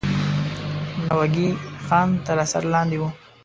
ناوګی خان تر اثر لاندې وو.